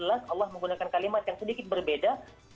allah menggunakan kalimat yang sedikit berbeda